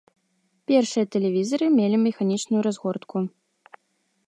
Першыя тэлевізары мелі механічную разгортку.